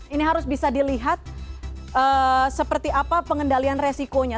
ini harus bisa dilihat seperti apa pengendalian resikonya